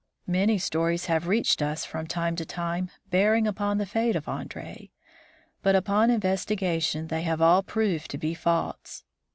Many stories have reached us from time to time bearing upon the fate of Andree, but upon investi gation they have all proved to be false.